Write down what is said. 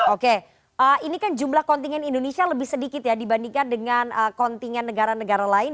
oke ini kan jumlah kontingen indonesia lebih sedikit ya dibandingkan dengan kontingen negara negara lain